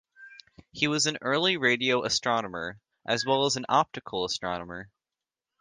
He was an early radio astronomer, as well as an optical astronomer.